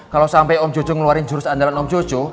kalo sampe om jojo ngeluarin jurus andalan om jojo